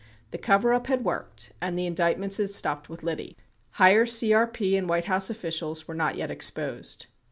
The coverup had worked and the indictments had stopped with Liddy. Higher CRP and 'White House officials were not yet exposed.